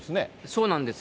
そうなんです。